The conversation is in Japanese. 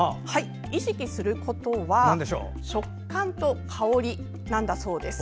意識することは食感と香りなんだそうです。